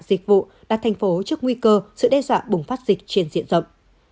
dịch vụ đặt thành phố trước nguy cơ sự đe dọa bùng phát dịch trên diện rộng